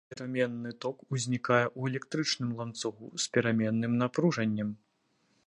Пераменны ток ўзнікае ў электрычным ланцугу з пераменным напружаннем.